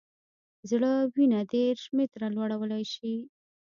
زړه وینه دېرش متره لوړولی شي.